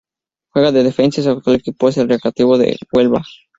Juega de defensa y su actual equipo es el Recreativo de Huelva.